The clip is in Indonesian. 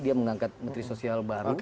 dia mengangkat menteri sosial baru